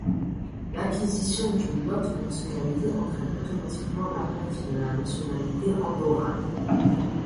L'acquisition d'une autre nationalité entraîne automatiquement la perte de la nationalité andorrane.